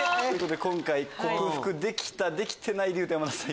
今回克服できたできてない山田さん